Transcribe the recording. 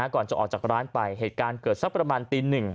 ก่อนจะออกจากร้านไปเหตุการณ์เกิดสักประมาณตีหนึ่ง